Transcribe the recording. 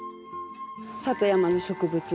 里山の植物。